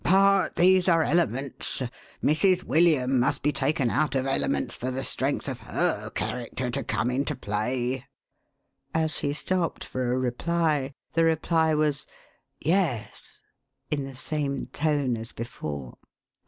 But these are elements. Mrs. William must be taken out of elements for the strength of her character to come into play." As he stopped for a reply, the reply was " Yes," in the same tone as before.